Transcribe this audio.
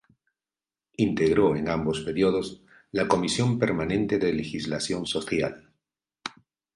Integró en ambos períodos la Comisión permanente de Legislación Social.